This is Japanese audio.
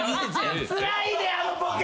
つらいであのボケは。